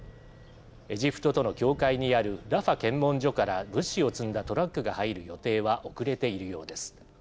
エジプトとの境界にあるラファ検問所から物資を積んだトラックが入る予定は遅れているようです。